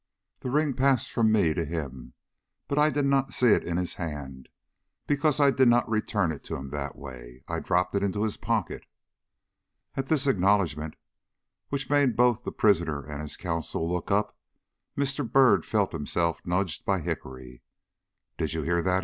The ring passed from me to him, but I did not see it in his hand, because I did not return it to him that way. I dropped it into his pocket." At this acknowledgment, which made both the prisoner and his counsel look up, Mr. Byrd felt himself nudged by Hickory. "Did you hear that?"